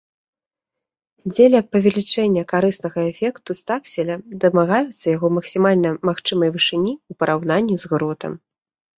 Дзеля павелічэння карыснага эфекту стакселя дамагаюцца яго максімальна магчымай вышыні, у параўнанні з гротам.